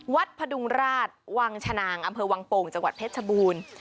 พระพดุงราชวังชนางอำเภอวังโป่งจังหวัดเพชรชบูรณ์